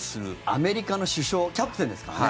アメリカの主将キャプテンですからね。